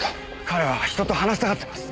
彼は人と話したがってます。